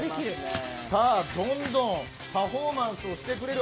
どんどんパフォーマンスをしてくれる。